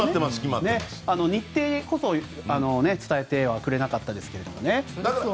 日程こそ伝えてはくれなかったですけどね。